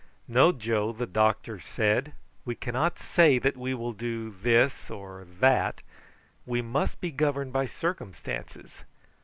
"No, Joe," the doctor said, "we cannot say that we will do this or that; we must be governed by circumstances.